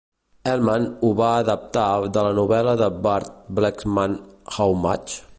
Hellman ho va adaptar de la novel·la de Burt Blechman How Much?